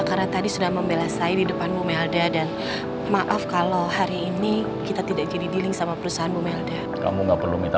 kalau ada hubungannya sama gue mau berjalan dari tengah ke bunga